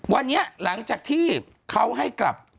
วันนี้หลังจากที่เขาให้กลับ